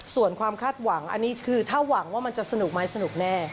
ส่วนความคาดหวังอันนี้คือถ้าหวังว่ามันจะสนุกไหมสนุกแน่